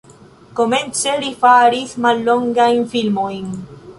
Komence li faris mallongajn filmojn.